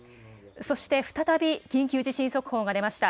そして再び緊急地震速報が出ました。